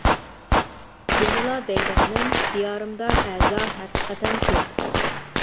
يەنىلا دەيدىغىنىم، دىيارىمدا ئەزا ھەقىقەتەن كۆپ.